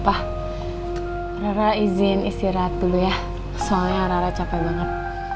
rara izin istirahat dulu ya soalnya rara capek banget